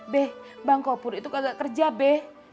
be bang kopur itu kagak kerja be